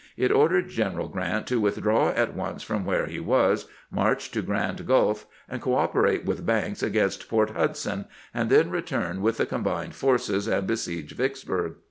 It ordered General Grant to withdraw at once from where he was, march to Grand Gulf, and cooperate with Banks against Port Hudson, and then return with the combined forces and besiege Vicksburg.